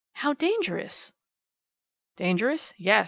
"How dangerous!" "Dangerous? Yes!